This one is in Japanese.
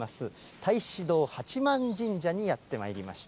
太子堂八幡神社にやってまいりました。